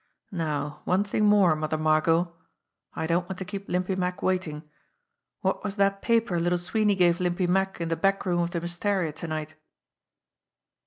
Now, one thing more, Mother Margot I don't want to keep Limpy Mack waiting! What was that paper Little Sweeney gave Limpy Mack in the back room of the Wistaria to night?"